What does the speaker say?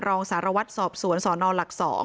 รองสารวัตรสอบสวนสนหลัก๒